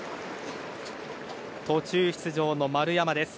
途中出場の丸山です。